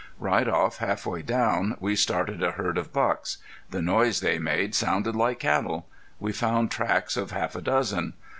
Right off, half way down, we started a herd of bucks. The noise they made sounded like cattle. We found tracks of half a dozen.